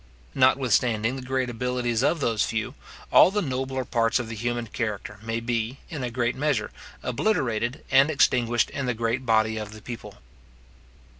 Notwithstanding the great abilities of those few, all the nobler parts of the human character may be, in a great measure, obliterated and extinguished in the great body of the people.